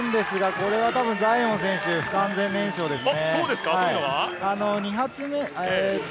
これはたぶんザイオン選手、不完全燃焼ですね。